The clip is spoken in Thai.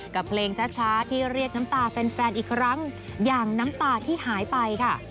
กับเพลงช้าที่เรียกน้ำตาแฟนอีกครั้งอย่างน้ำตาที่หายไปค่ะ